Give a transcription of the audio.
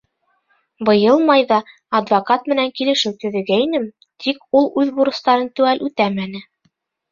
Быйыл майҙа адвокат менән килешеү төҙөгәйнем, тик ул үҙ бурыстарын теүәл үтәмәне.